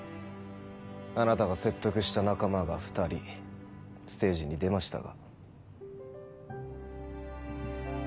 あなたが説得した仲間が２人ステージに出ましたが。